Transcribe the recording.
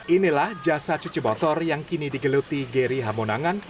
inilah jasa cuci motor yang kini digeluti geri hamonangan